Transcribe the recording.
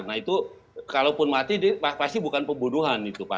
nah itu kalaupun mati pasti bukan pembunuhan